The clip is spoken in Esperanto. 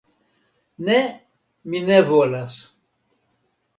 Ne, mi ne volas.